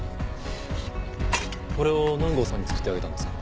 これを南郷さんに作ってあげたんですか？